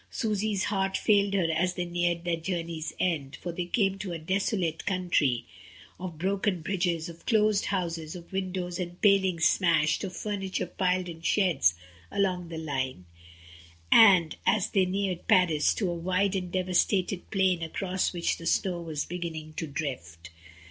Susy's heart failed her as they neared their journey's end, for they came to a desolate country of broken bridges, of closed houses, of windows and palings smashed, of furniture piled in sheds along the line; and as they neared Paris, to a wide and devastated plain across which the snow was begin ning to drift.